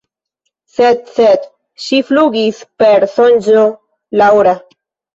Sed, sed „ŝi flugis per sonĝo la ora!“